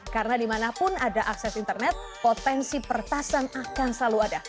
karena dimanapun ada akses internet potensi pertasan akan selalu ada